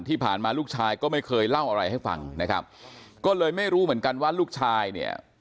ที่ผ่านมาลูกชายก็ไม่เคยเล่าอะไรให้ฟังนะครับก็เลยไม่รู้เหมือนกันว่าลูกชายเนี่ย